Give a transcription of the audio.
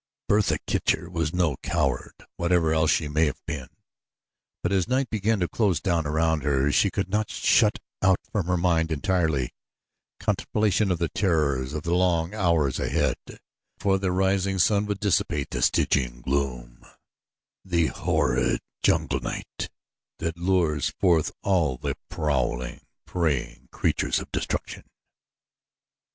Bertha Kircher was no coward, whatever else she may have been, but as night began to close down around her she could not shut out from her mind entirely contemplation of the terrors of the long hours ahead before the rising sun should dissipate the Stygian gloom the horrid jungle night that lures forth all the prowling, preying creatures of destruction.